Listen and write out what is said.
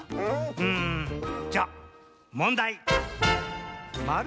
うんじゃもんだい！